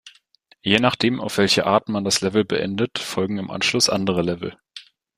Je nachdem, auf welche Art man das Level beendet, folgen im Anschluss andere Level.